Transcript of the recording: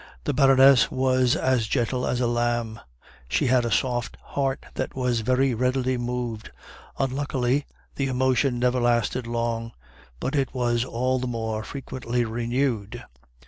The Baroness was a gentle as a lamb; she had a soft heart that was very readily moved; unluckily, the emotion never lasted long, but it was all the more frequently renewed.